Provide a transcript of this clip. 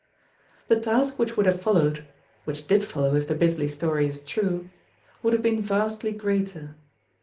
The task which would have followed which did follow if the Bisley story is true would have been vastly greater.